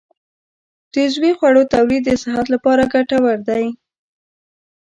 د عضوي خوړو تولید د صحت لپاره ګټور دی.